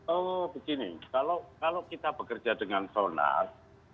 oh begini kalau kita bekerja dengan sonar